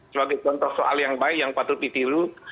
sebagai contoh soal yang baik yang patut ditiru